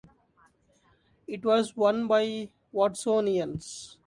It was won by Watsonians.